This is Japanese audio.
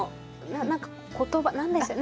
何か言葉何でしたっけ。